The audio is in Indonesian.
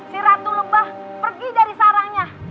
si ratu lebah pergi dari sarangnya